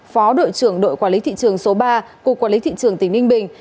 phó đội trưởng đội quản lý thị trường số ba cục quản lý thị trường tỉnh ninh bình